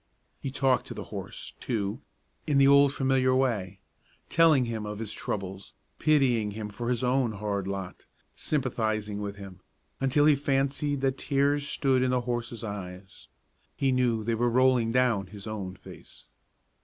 He talked to the horse, too, in the old familiar way; telling him of his troubles, pitying him for his own hard lot, sympathizing with him, until he fancied that tears stood in the horse's eyes. He knew they were rolling down his own face.